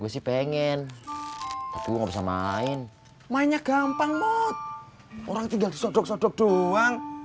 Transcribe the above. sih pengen tapi gua nggak bisa main mainnya gampang mod orang tinggal di sodok sodok doang